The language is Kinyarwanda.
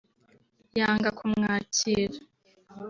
yanga kumwakira